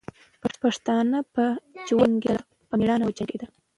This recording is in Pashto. پښتانه چې وجنګېدل، په میړانه وجنګېدل.